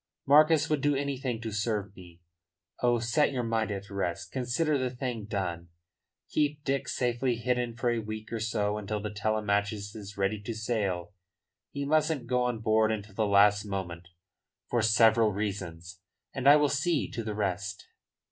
Marcus would do anything to serve me. Oh, set your mind at rest. Consider the thing done. Keep Dick safely hidden for a week or so until the Telemachus is ready to sail he mustn't go on board until the last moment, for several reasons and I will see to the rest."